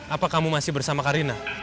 apa kamu masih bersama karina